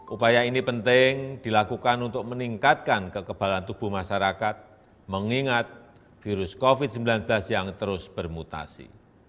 upaya ini penting dilakukan untuk meningkatkan kekebalan tubuh masyarakat mengingat virus covid sembilan belas yang terus bermutasi